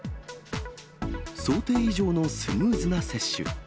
想定以上のスムーズな接種。